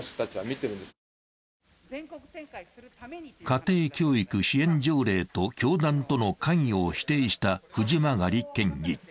家庭教育支援条例と教団との関与を否定した藤曲県議。